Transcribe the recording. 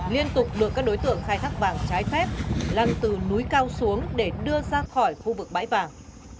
liên tục được các đối tượng khai thác vàng trái phép lăn từ núi cao xuống để đưa ra khỏi khu vực bãi vàng